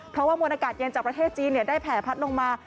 เพราะว่ามวลอากาศเย็นจากประเทศจีนได้แผ่พัดลงมา